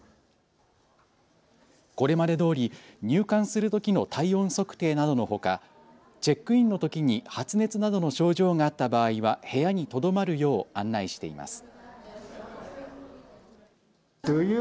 これまでどおり入館するときの体温測定などのほかチェックインのときに発熱などの症状があった場合は部屋にとどまるよう案内しています。